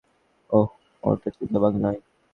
ওহ, ওটা চিতাবাঘ নয়।